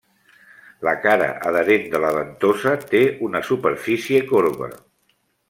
La cara adherent de la ventosa té una superfície corba.